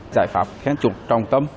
giải pháp khen trục trong tâm